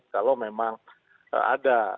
kalau memang ada